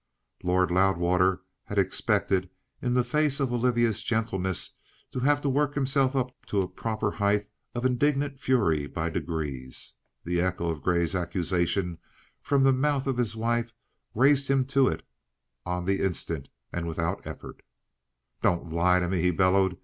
Lord Loudwater had expected, in the face of Olivia's gentleness, to have to work himself up to a proper height of indignant fury by degrees. The echo of Grey's accusation from the mouth of his wife raised him to it on the instant and without an effort. "Don't lie to me!" he bellowed.